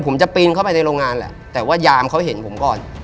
ผมจะปีนเข้าไปในโรงงานแหละแต่ว่ายามเขาเห็นผมก่อน